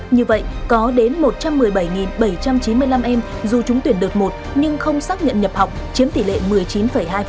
như vậy có đến một trăm một mươi bảy bảy trăm chín mươi năm em dù trúng tuyển đợt một nhưng không xác nhận nhập học chiếm tỷ lệ một mươi chín hai